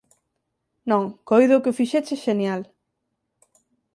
Non, coido que o fixeches xenial.